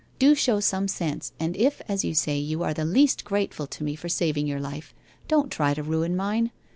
Do show some sense, and if. as you say, you are the least grateful to me for saving your lif<\ don't try to ruin mine.